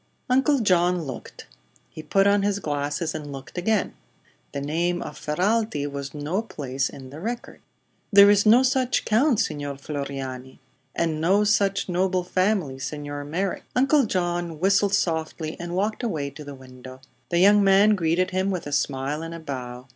Uncle John looked. He put on his glasses and looked again. The name of Ferralti was no place in the record. "Then there is no such count, Signor Floriano." "And no such noble family, Signor Merrick." Uncle John whistled softly and walked away to the window. The young man greeted him with a smile and a bow.